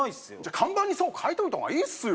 看板にそう書いといた方がいいっすよ